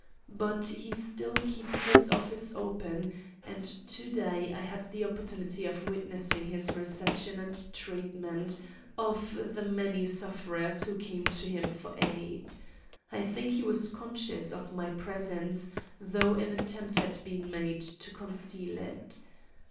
But he still keeps his office open, and to day I had the opportunity of witnessing his reception and treatment of the many sufferers who came to him for aid. I think he was conscious of my presence, though an attempt had been made to conceal it.